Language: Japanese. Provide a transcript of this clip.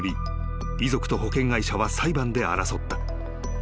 遺族と保険会社は裁判で争った］